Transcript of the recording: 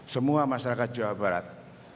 semua masyarakat jawa barat